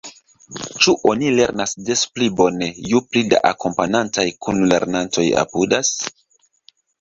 Ĉu oni lernas des pli bone, ju pli da akompanantaj kunlernantoj apudas?